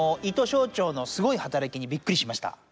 胃と小腸のすごい働きにびっくりしました！